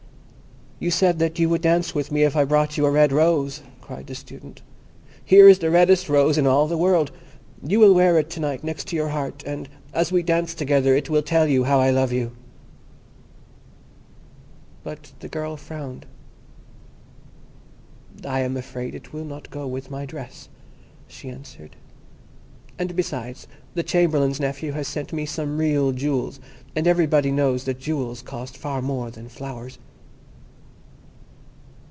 "You said that you would dance with me if I brought you a red rose," cried the Student. "Here is the reddest rose in all the world. You will wear it to night next your heart, and as we dance together it will tell you how I love you." But the girl frowned. "I am afraid it will not go with my dress," she answered; "and, besides, the Chamberlain's nephew has sent me some real jewels, and everybody knows that jewels cost far more than flowers."